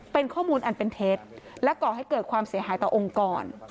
เป็นข้อมูลอันเป็นเท็จและก่อให้เกิดความเสียหายต่อองค์กร